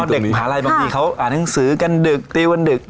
เด็กมหาลัยบางทีเขาอ่านหนังสือกันดึกตีวันดึก